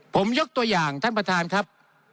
ผมยกตัวอย่างท่านประธานครับ